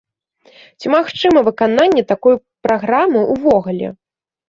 Ці магчыма выкананне такой праграмы ўвогуле?